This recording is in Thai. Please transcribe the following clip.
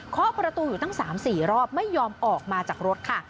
ขอประตูอยู่ตั้ง๓๔รอบไม่ยอมออกมาจากรถค่ะ